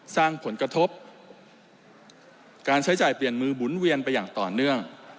สร้างผลกระทบการใช้จ่ายเปลี่ยนมือหมุนเวียนไปอย่างต่อเนื่อง